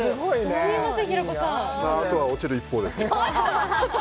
あとは落ちる一方です